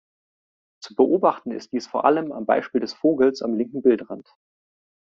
Zu beobachten ist dies vor allem am Beispiel des Vogels am linken Bildrand.